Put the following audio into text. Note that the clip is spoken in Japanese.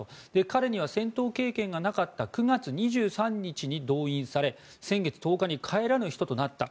彼には戦闘経験がなかったが９月２３日に動員され先月１０日に帰らぬ人となった。